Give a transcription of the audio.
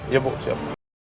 ya bu siap